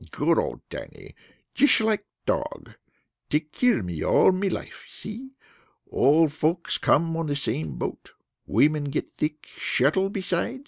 Good old Dannie. Jish like dog. Take care me all me life. See? Old folks come on same boat. Women get thick. Shettle beside.